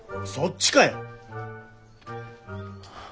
そっちかよ。